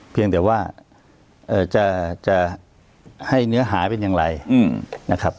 เพียงแต่ว่าจะให้เนื้อหาเป็นอย่างไรนะครับ